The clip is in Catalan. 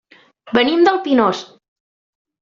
Venim del Pinós.